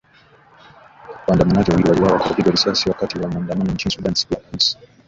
Waandamanaji wawili waliuawa kwa kupigwa risasi wakati wa maandamano nchini Sudan siku ya Alhamis.